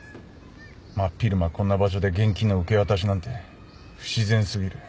真っ昼間こんな場所で現金の受け渡しなんて不自然過ぎる。